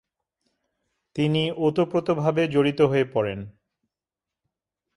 তিনি ওতপ্রোতভাবে জড়িত হয়ে পড়েন।